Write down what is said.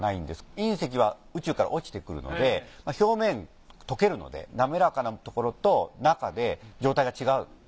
隕石は宇宙から落ちてくるので表面溶けるのでなめらかなところと中で状態が違う。